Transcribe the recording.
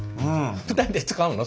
２人で使うの？